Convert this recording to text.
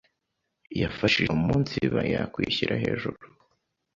yafashije umunsiba yakwishyira hejuru: